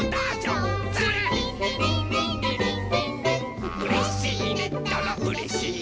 「うれしいねったらうれしいよ」